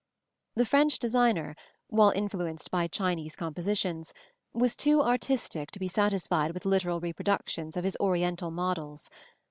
The French designer, while influenced by Chinese compositions, was too artistic to be satisfied with literal reproductions of his Oriental models.